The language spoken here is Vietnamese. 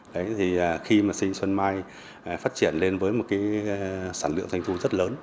đấy thì khi mà sinh xuân mai phát triển lên với một cái sản lượng doanh thu rất lớn